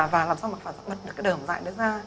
và làm sao mà phản xạ bật được cái đường dạy nó ra